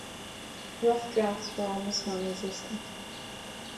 Rough drafts were almost nonexistent.